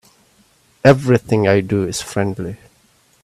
Everything I do is friendly.